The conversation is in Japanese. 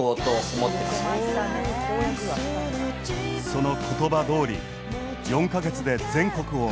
その言葉どおり４カ月で全国を回り